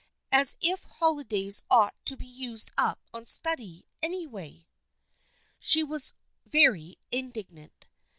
As if holidays ought to be used up on study, anyway !" She was very indignant.